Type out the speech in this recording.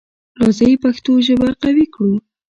راځی پښتو ژبه قوي کړو.